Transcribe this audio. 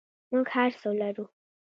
موږ هر څه لرو